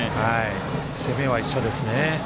攻めは一緒ですね。